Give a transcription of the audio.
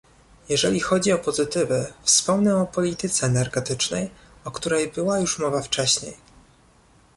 Jeżeli chodzi o pozytywy, wspomnę o polityce energetycznej, o której była już mowa wcześniej